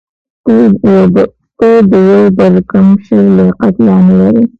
ته د یو پړکمشر لیاقت لا نه لرې.